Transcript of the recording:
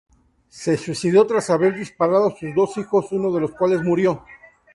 Se suicidó tras haber disparado a sus dos hijos, uno de los cuales murió.